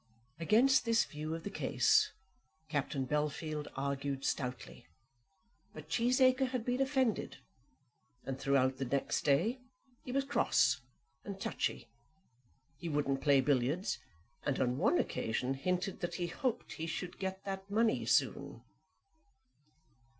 Against this view of the case Captain Bellfield argued stoutly; but Cheesacre had been offended, and throughout the next day he was cross and touchy. He wouldn't play billiards, and on one occasion hinted that he hoped he should get that money soon.